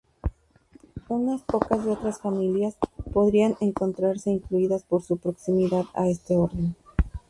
Unas pocas de otras familias podrían encontrarse incluidas por su proximidad a este orden.